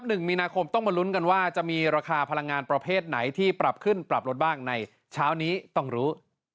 หนึ่งมีนาคมต้องมาลุ้นกันว่าจะมีราคาพลังงานประเภทไหนที่ปรับขึ้นปรับลดบ้างในเช้านี้ต้องรู้